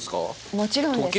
もちろんです時計